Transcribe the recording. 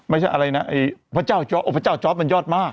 ไม่ใช่อะไรนะพระเจ้าจอร์ฟมันยอดมาก